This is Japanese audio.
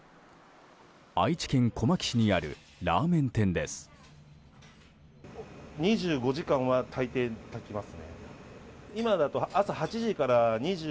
愛知県小牧市にあるラーメン店です。